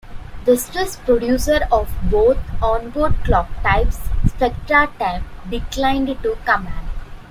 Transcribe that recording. The Swiss producer of both onboard clocktypes SpectraTime declined to comment.